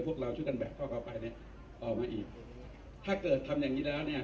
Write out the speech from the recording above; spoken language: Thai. พวกเราช่วยกันแบกซอกเอาไปเนี่ยต่อมาอีกถ้าเกิดทำอย่างงี้แล้วเนี่ย